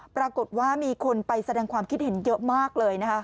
ปรากฏว่ามีคนไปแสดงความคิดเห็นเยอะมากเลยนะคะ